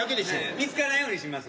見つからんようにします。